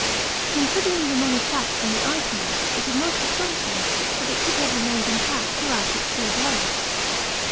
Considering the many cracks in the ice mass it is most astonishing that it should have remained intact throughout its sea voyage.